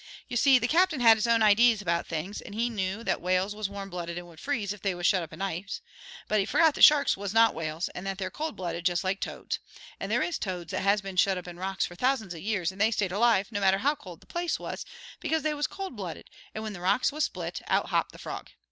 You see, the captain had his own idees about things, and he knew that whales was warm blooded and would freeze if they was shut up in ice, but he forgot that sharks was not whales and that they're cold blooded just like toads. And there is toads that has been shut up in rocks for thousands of years, and they stayed alive, no matter how cold the place was, because they was cold blooded, and when the rocks was split, out hopped the frog.